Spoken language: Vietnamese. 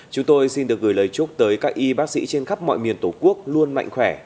chúng tôi xin được gửi lời chúc tới các y bác sĩ trên khắp mọi miền tổ quốc luôn mạnh khỏe